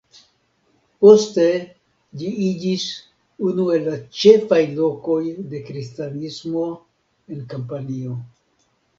Poste ĝi iĝis unu el la ĉefaj lokoj de Kristanismo en Kampanio.